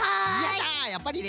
やっぱりね。